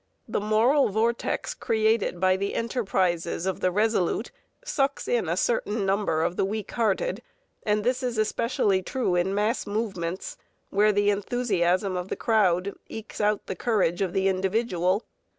The moral vortex created by the enterprises of the resolute sucks in a certain number of the weak hearted; and this is especially true in mass movements, where the enthusiasm of the crowd ekes out the courage of the individual.